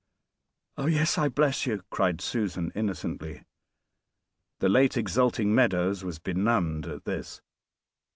"Oh! yes, I bless you," cried Susan innocently. The late exulting Meadows was benumbed at this.